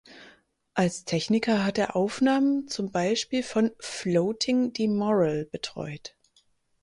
Als Techniker hat er Aufnahmen zum Beispiel von Floating di Morel betreut.